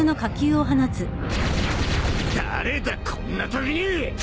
誰だこんなときに！